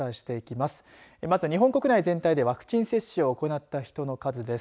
まず日本国内全体でワクチン接種を行った人の数です。